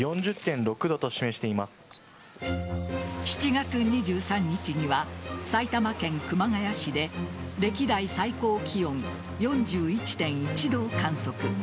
７月２３日には埼玉県熊谷市で歴代最高気温４１．１度を観測。